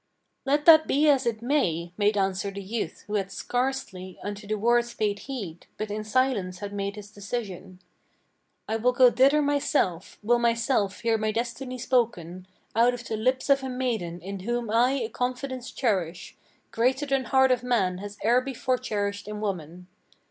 "Let that be as it may!" made answer the youth, who had scarcely Unto the words paid heed; but in silence had made his decision. "I will go thither myself, will myself hear my destiny spoken Out of the lips of a maiden in whom I a confidence cherish Greater than heart of man has e'er before cherished in woman.